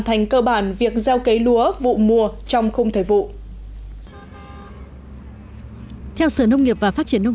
thành cơ bản việc gieo cấy lúa vụ mùa trong khung thời vụ theo sở nông nghiệp và phát triển nông